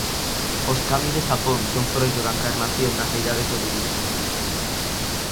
Os kami de Xapón son froito da encarnación das deidades do budismo.